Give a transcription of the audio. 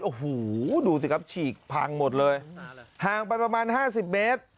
โอ้โหดูสิครับฉีกพังหมดเลยห่างไปประมาณห้าสิบเมตร